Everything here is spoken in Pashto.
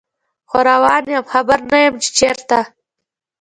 خو روان یم خبر نه یمه چې چیرته